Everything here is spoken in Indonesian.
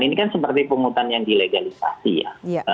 ini kan seperti pungutan yang dilegalisasi ya